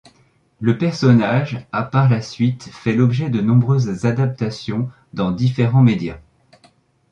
Le personnage a par la suite fait l'objet de nombreuses adaptations dans différents médias.